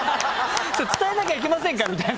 伝えなきゃいけませんかみたいな。